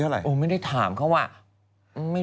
เดี๋ยวเดี๋ยวต้องดูตอนนี้